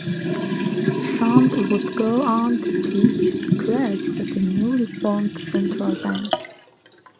Shand would go on to teach clerks at the newly formed Central Bank.